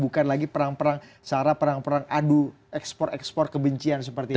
bukan lagi perang perang sarah perang perang adu ekspor ekspor kebencian seperti itu